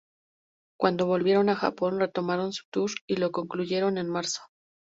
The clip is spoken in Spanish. Cuando volvieron a Japón, retomaron su tour y lo concluyeron en marzo.